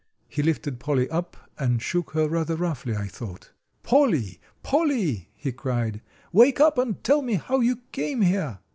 He lifted Polly up and shook her, rather roughly, I thought. "Polly! Polly!" he cried, "wake up and tell me how you came here."